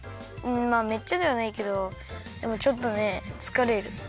まあめっちゃではないけどでもちょっとねつかれる。